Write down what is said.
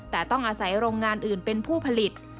แต่ต้องอาศัยโรงงานอื่นเป็นผู้ผลิต